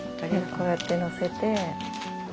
こうやってのせて。